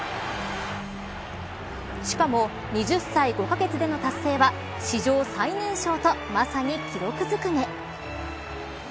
しかも、２０歳５カ月での達成は史上最年少とまさに記録ずくめ。